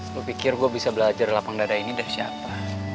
gue pikir gue bisa belajar lapang dada ini dari siapa